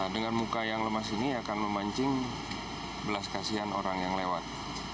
dengan muka yang lemas ini akan memancing belas kasihan orang yang lewat